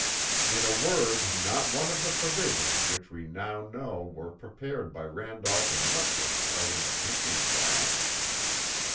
In a word not one of the provisions which we now know were prepared by Randolph and Rutledge are in the Pinckney draught.